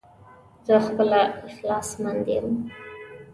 زه خپله اخلاص مند يم